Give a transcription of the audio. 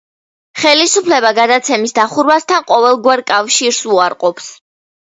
ხელისუფლება გადაცემის დახურვასთან ყოველგვარ კავშირს უარყოფს.